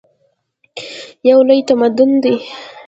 یو لوی تمدن.